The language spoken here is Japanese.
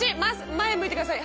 前向いてください